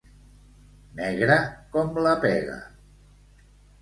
Negre com la pega.